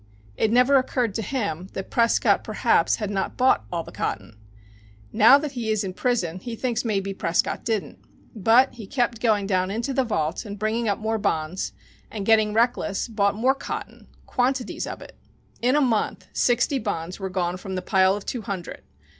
It never occurred to him that Prescott perhaps had not bought all the cotton. Now that he is in prison he thinks maybe Prescott didn't. But he kept going down into the vault and bringing up more bonds, and, getting reckless, bought more cotton quantities of it. In a month sixty bonds were gone from the pile of two hundred.